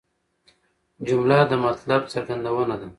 جمله د مطلب څرګندونه ده.